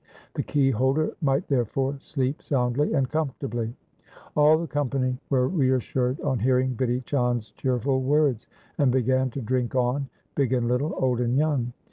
The key holder might therefore sleep soundly and comfortably. All the company were reassured on hearing Bidhi Chand's cheerful words, and began to drink on, big and little, old and young.